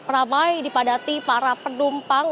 ramai dipadati para penumpang